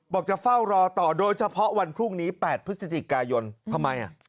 จะเฝ้ารอต่อโดยเฉพาะวันพรุ่งนี้๘พฤศจิกายนทำไม